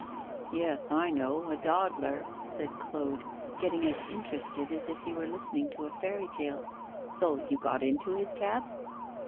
'Yes, I know, a dawdler,' said Claude, getting as interested as if he were listening to a fairy tale. 'So you got into his cab?